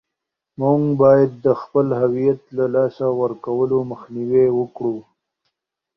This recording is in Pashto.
موږ باید د خپل هویت له لاسه ورکولو مخنیوی وکړو.